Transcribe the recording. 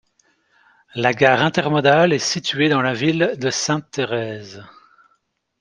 La gare intermodale est située dans la ville de Sainte-Thérèse.